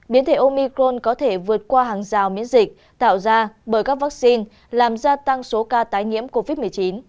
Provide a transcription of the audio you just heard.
biến thể omicron có thể vượt qua hàng rào miễn dịch tạo ra bởi các vaccine làm gia tăng số ca tái nhiễm covid một mươi chín